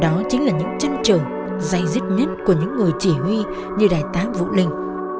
đó chính là những chân trở dày dứt nhất của những người chỉ huy như đại tá vũ linh